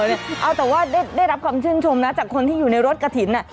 เอาแต่ว่าได้รับความชื่นชมนะจากคนที่อยู่ในรถกระถิ่น